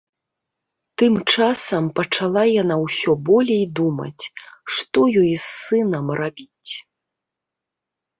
Тым часам пачала яна ўсё болей думаць, што ёй з сынам рабіць.